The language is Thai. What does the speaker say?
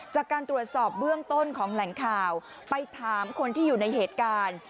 จากการตรวจสอบเบื้องต้นของแหล่งข่าวไปถามคนที่อยู่ในเหตุการณ์